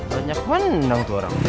banyak menang tuh orang